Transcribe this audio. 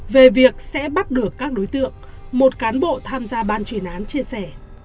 về việc sẽ bắt được các đối tượng một cán bộ tham gia ban chuyên án chia sẻ